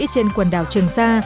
trên quần đảo trường sa